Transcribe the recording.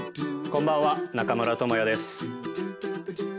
こんばんは中村倫也です